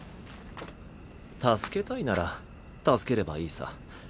助けたいなら助ければいいさ。